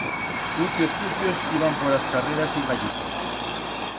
Cutios-cutios iban por as carreras y gallizos.